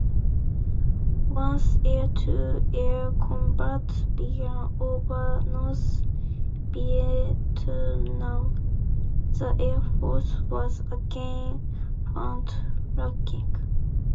Once air-to-air combat began over North Vietnam, the Air Force was again found lacking.